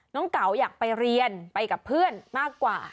เก๋าอยากไปเรียนไปกับเพื่อนมากกว่า